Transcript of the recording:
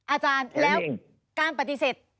อาจารย์แล้วการปฏิเสธ